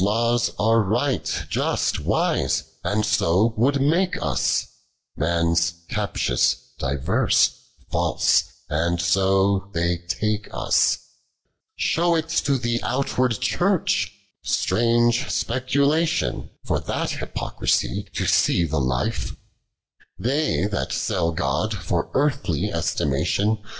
Gcd'a laws are right, just, wise, and so make as, Man's, captioua, divers, laJae, aod so th< Shew it the outward Church, strange specu For that hypocriaie to see the life ; They that eeU God for earthly estimation.